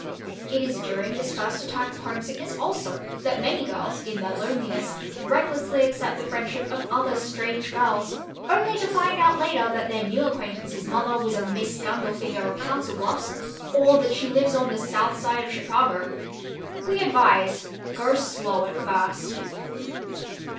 It is during this first attack of homesickness also that many girls, in their loneliness, recklessly accept the friendship of other strange girls, only to find out later that their new acquaintance's mother was a Miss Gundlefinger of Council Bluffs, or that she lives on the south side of Chicago. We advise: Go slow at first.